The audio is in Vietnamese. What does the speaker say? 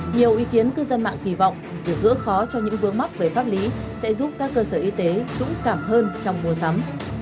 nhiều ý kiến cư dân mạng kỳ vọng việc gỡ khó cho những vướng mắc về pháp lý sẽ giúp các cơ sở y tế dũng cảm hơn trong mua sắm